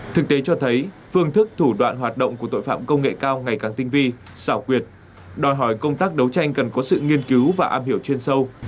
thực tế cho thấy phương thức thủ đoạn hoạt động của tội phạm công nghệ cao ngày càng tinh vi xảo quyệt đòi hỏi công tác đấu tranh cần có sự nghiên cứu và am hiểu chuyên sâu